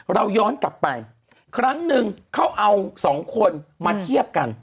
เราย้อนกลับไปครั้งหนึ่งเขาเอาสองคนมาเทียบกัน